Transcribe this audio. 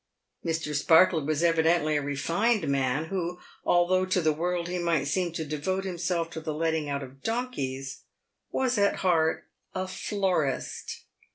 Mr. Sparkler was evidently a refined man, who, although to the world he might seem to devote himself to the letting out of donkeys, was at heart a florist.